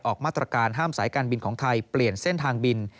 ออกมาตรการห้ามสายการบินของไทยเปลี่ยนเส้นทางบิน